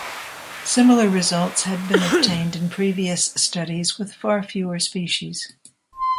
Similar results had been obtained in previous studies with far fewer species.